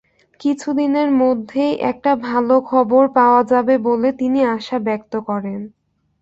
কিছুদিনের মধ্যেই একটা ভালো খবর পাওয়া যাবে বলে তিনি আশা ব্যক্ত করেন।